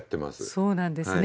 そうなんですね。